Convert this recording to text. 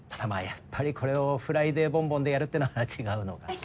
やっぱりこれを「フライデーボンボン」でやるってのは違うのかな。